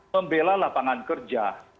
membela lapangan kerja